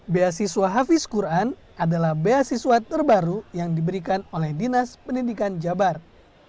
beasiswa hafiz quran adalah beasiswa terbaru yang diberikan oleh dinas pendidikan jabar